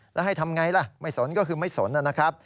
แล้วให้ทำไงล่ะไม่สนก็คือไม่สนนะครับ